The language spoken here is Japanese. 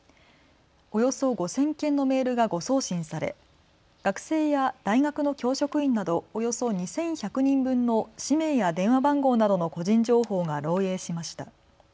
およそ５０００件のメールが誤送信され学生や大学の教職員などおよそ２１００人分の氏名や電話番号などの個人情報が漏えいしました。